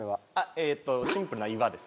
えーっとシンプルな岩です